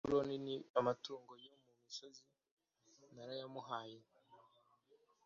Babuloni n amatungo yo mu misozi narayamuhaye